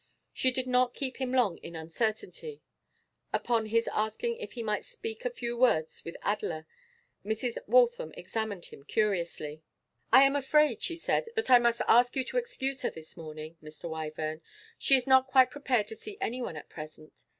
She did not keep him long in uncertainty. Upon his asking if he might speak a few words with Adela, Mrs. Waltham examined him curiously. 'I am afraid,' she said, 'that I must ask you to excuse her this morning, Mr. Wyvern. She is not quite prepared to see anyone at present.